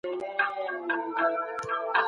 تاسو به له فکري فشار څخه په اسانۍ راوځئ.